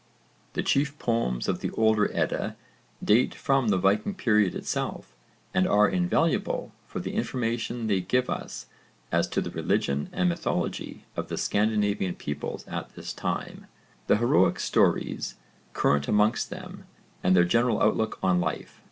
The chief poems of the older Edda date from the Viking period itself and are invaluable for the information they give us as to the religion and mythology of the Scandinavian peoples at this time, the heroic stories current amongst them, and their general outlook on life.